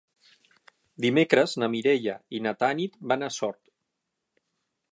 Dimecres na Mireia i na Tanit van a Sort.